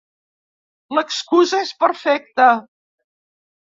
L'excusa és perfecta.